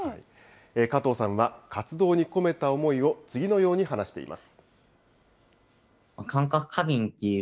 加藤さんは活動に込めた思いを次のように話しています。